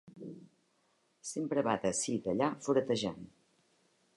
Sempre va d'ací d'allà furetejant.